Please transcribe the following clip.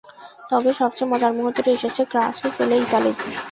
তবে সবচেয়ে মজার মুহূর্তটি এসেছে গ্রাৎসিয়ানো পেল্লে ইতালির জয়সূচক গোলটি করার পর।